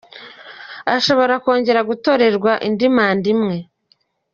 Ashobora kongera gutorerwa indi manda imwe.